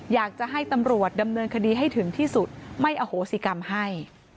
อยากจะให้ตำรวจดำเนินคดีให้ถึงที่สุดไม่อโหสิกรรมให้